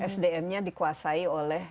sdm nya dikuasai oleh